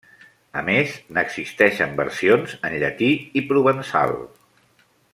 A més, n'existeixen versions en llatí i provençal.